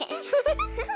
フフフ。